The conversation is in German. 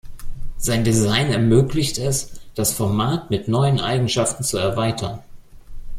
Sein Design ermöglicht es, das Format mit neuen Eigenschaften zu erweitern.